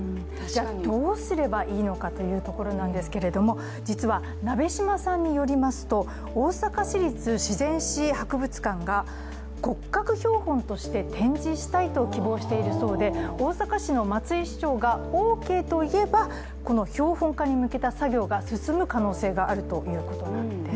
どうすればいいのかというところなんですけれども、実は、鍋島さんによりますと大阪市立自然史博物館が骨格標本として展示したいと希望しているそうで大阪市の松井市長がオーケーと言えばこの標本化に向けた作業が進む可能性があるということなんです。